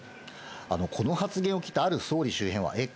この発言を聞いたある総理周辺は、えっ？